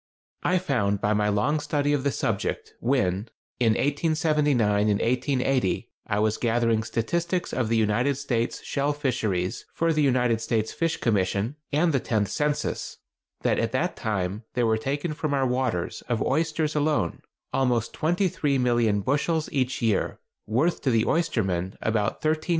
I found by my long study of the subject, when, in 1879 and 1880, I was gathering statistics of the United States shell fisheries for the United States Fish Commission and the Tenth Census, that at that time there were taken from our waters, of oysters alone, almost 23,000,000 bushels each year, worth to the oystermen about $13,500,000.